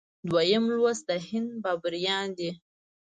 دویم لوست د هند بابریان دي.